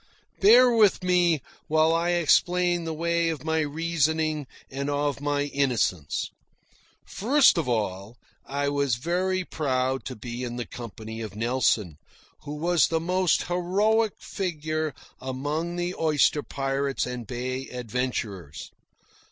Bear with me while I explain the way of my reasoning and of my innocence. First of all, I was very proud to be in the company of Nelson, who was the most heroic figure among the oyster pirates and bay adventurers.